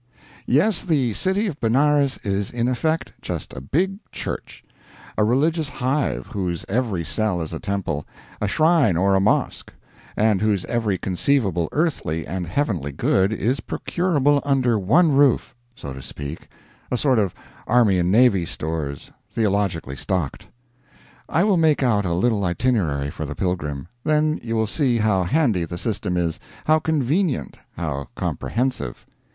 Yes, the city of Benares is in effect just a big church, a religious hive, whose every cell is a temple, a shrine or a mosque, and whose every conceivable earthly and heavenly good is procurable under one roof, so to speak a sort of Army and Navy Stores, theologically stocked. I will make out a little itinerary for the pilgrim; then you will see how handy the system is, how convenient, how comprehensive.